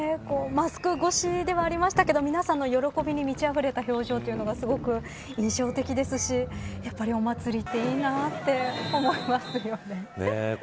マスク越しではありましたけど皆さんの喜びに満ちあふれた表情というのがすごく印象的ですし、やっぱりお祭りっていいなと思いますよね。